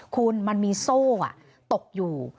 คุณมันมีโซ่ตกอยู่